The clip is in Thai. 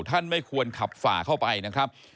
ไม่ควรขับฝ่าเข้าไปนะครับ